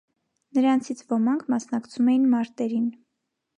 Նրանցից ոմանք մասնակցում էին մարտերին։